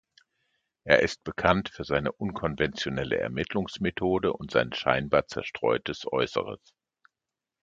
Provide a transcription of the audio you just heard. Er ist bekannt für seine unkonventionelle Ermittlungsmethode und sein scheinbar zerstreutes Äußeres.